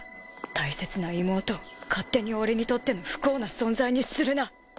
大切な妹を勝手に俺にとっての不幸な存在にするな。